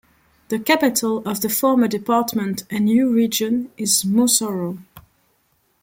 The capital of the former department and new region is Moussoro.